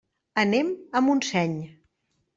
Anem a Montseny.